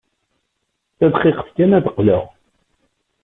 Tadqiqt kan ad d-qqleɣ.